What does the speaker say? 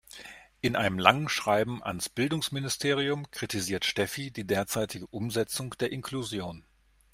In einem langen Schreiben ans Bildungsministerium kritisiert Steffi die derzeitige Umsetzung der Inklusion.